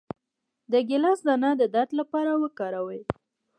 د ګیلاس دانه د درد لپاره وکاروئ